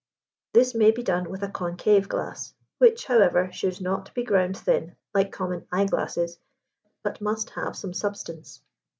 This may be done with a concave glass, which, however, should not be ground thin like common eye glasses, but must have some substance.